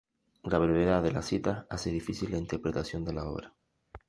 La brevedad de las citas hace difícil la interpretación de la obra.